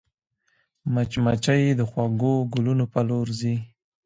مچمچۍ د خوږو ګلونو پر لور ځي